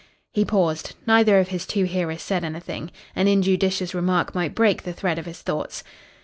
He paused. Neither of his two hearers said anything. An injudicious remark might break the thread of his thoughts.